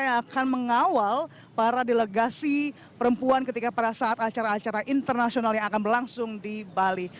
yang akan mengawal para delegasi perempuan ketika pada saat acara acara internasional yang akan berlangsung di bali